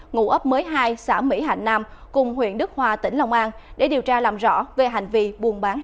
ngụ ấp mới hai xã mỹ hạnh nam cùng huyện đức hòa tỉnh long an để điều tra làm rõ về hành vi buôn bán